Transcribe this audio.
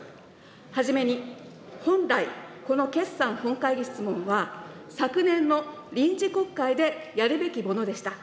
はじめに本来、この決算本会議質問は、昨年の臨時国会でやるべきものでした。